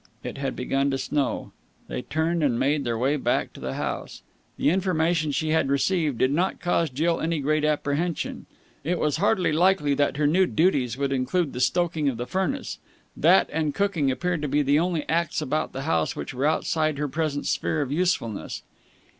It had begun to snow. They turned and made their way back to the house. The information she had received did not cause Jill any great apprehension. It was hardly likely that her new duties would include the stoking of the furnace. That and cooking appeared to be the only acts about the house which were outside her present sphere of usefulness.